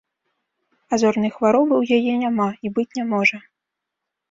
А зорнай хваробы ў яе няма і быць не можа.